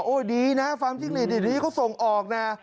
ดีนะฟาร์มจิ้งหลีดเดี๋ยวนี้เขาส่งออกนะ